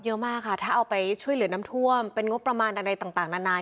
เยอะมากค่ะถ้าเอาไปช่วยเหลือน้ำท่วมเป็นงบประมาณอะไรต่างนาน